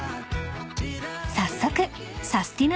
［早速サスティな！